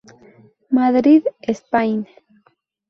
Madrid, Spain.